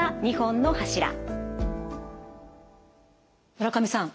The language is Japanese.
村上さん